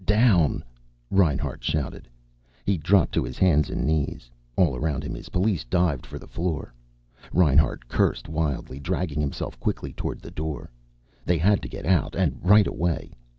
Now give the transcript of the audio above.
"Down!" Reinhart shouted. He dropped to his hands and knees. All around him his police dived for the floor. Reinhart cursed wildly, dragging himself quickly toward the door. They had to get out, and right away.